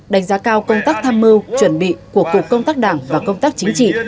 đánh giá cao công tác tham mưu chuẩn bị của cục công tác đảng và công tác chính trị